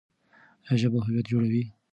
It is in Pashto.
ایا ژبه هویت جوړوي؟